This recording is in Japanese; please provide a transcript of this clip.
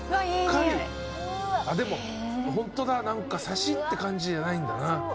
でもホントだ何かサシって感じじゃないんだな。